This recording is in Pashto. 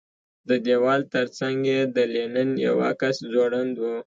د دېوال ترڅنګ یې د لینن یو عکس ځوړند و